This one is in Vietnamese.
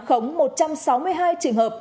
khống một trăm sáu mươi hai trường hợp